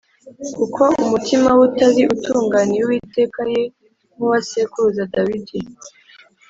kuko umutima we utari utunganiye Uwiteka Imana ye nk’uwa sekuruza Dawidi